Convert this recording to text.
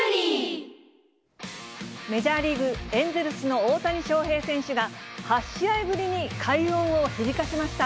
メジャーリーグ・エンゼルスの大谷翔平選手が、８試合ぶりに快音を響かせました。